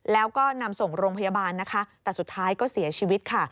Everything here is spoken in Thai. แล้วก็นำส่งโรงพยาบาลนะคะแต่สุดท้ายก็เสียชีวิตค่ะ